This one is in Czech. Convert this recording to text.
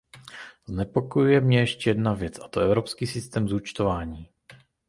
Znepokojuje mne ještě jedna věc, a to evropský systém zúčtování.